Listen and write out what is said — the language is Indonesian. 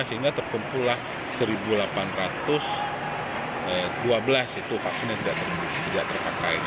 sehingga terkumpul seribu delapan ratus dua belas vaksinasi